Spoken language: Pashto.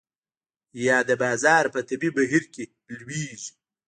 یا د بازار په طبیعي بهیر کې لویږي.